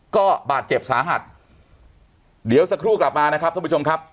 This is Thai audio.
ก็บาดเจ็บสาหัสเดี๋ยวสักครู่กลับมานะครับท่านผู้ชมครับ